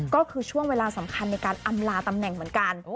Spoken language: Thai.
ก็คือช่วงเวลาสำคัญในการอำลาตำแหน่งเหมือนกัน